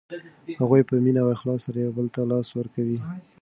هغوی په مینه او اخلاص سره یو بل ته لاس ورکوي.